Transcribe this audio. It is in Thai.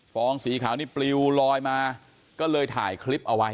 องสีขาวนี่ปลิวลอยมาก็เลยถ่ายคลิปเอาไว้